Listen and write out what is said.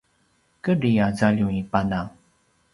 kedri a zaljum i pana